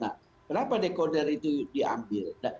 kenapa dekoder itu diambil